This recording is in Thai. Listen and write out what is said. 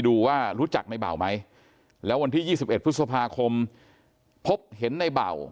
ดูว่ารู้จักในเบาไหมแล้ววันที่๒๑พฤษภาคมพบเห็นในเบา